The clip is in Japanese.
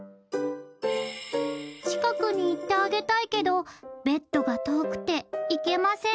近くに行ってあげたいけどベッドが遠くて行けません